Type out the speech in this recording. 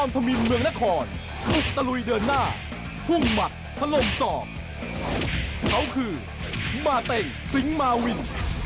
พุ่งหมัดพระลมสอบเขาคือมาเต้งสิงหมาวิน